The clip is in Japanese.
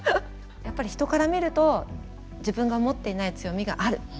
やっぱり人から見ると自分が持っていない強みがある。